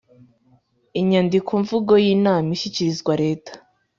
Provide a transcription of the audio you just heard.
Inyandikomvugo y inama ishyikirizwa leta